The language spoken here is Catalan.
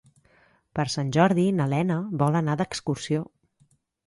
Per Sant Jordi na Lena vol anar d'excursió.